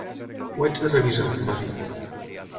Ho haig de revisar, va dir.